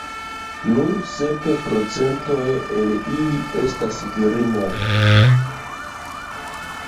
Nur sep procentoj el ili estas virinoj.